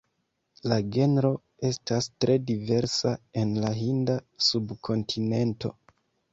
La genro estas tre diversa en la Hinda subkontinento.